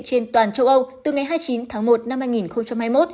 trên toàn châu âu từ ngày hai mươi chín tháng một năm hai nghìn hai mươi một